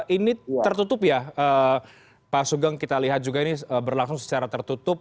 ini tertutup ya pak sugeng kita lihat juga ini berlangsung secara tertutup